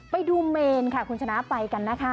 ไปดูเมนค่ะคุณชนะไปกันนะคะ